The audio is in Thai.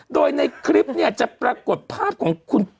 โดยในคลิปเนี่ยจะปรากฏภาพของคุณ